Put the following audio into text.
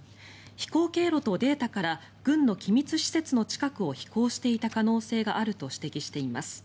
飛行経路とデータから軍の機密施設の近くを飛行していた可能性があると指摘しています。